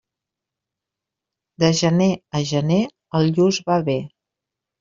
De gener a gener el lluç va bé.